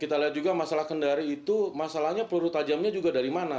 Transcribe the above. kita lihat juga masalah kendari itu masalahnya peluru tajamnya juga dari mana